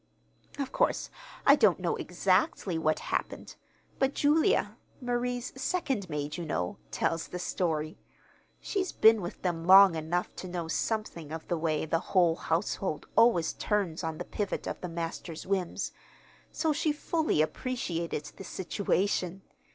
"Of course I don't know exactly what happened, but Julia Marie's second maid, you know tells the story. She's been with them long enough to know something of the way the whole household always turns on the pivot of the master's whims; so she fully appreciated the situation.